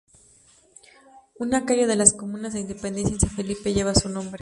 Una calle de las comunas de Independencia y San Felipe lleva su nombre.